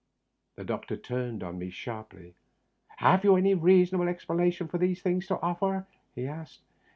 The doctor turned sharply on me. "Have you any reasonable explanation of these things to offer ?" he asked.